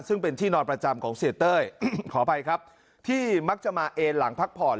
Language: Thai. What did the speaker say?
ซึ่งเป็นที่นอนประจำของเสียเต้ยขออภัยครับที่มักจะมาเอ็นหลังพักผ่อน